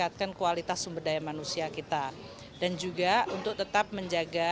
terutama bertumpu kepada